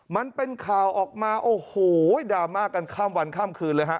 มันเป็นข่าวออกมาโอ้โหดราม่ากันข้ามวันข้ามคืนเลยฮะ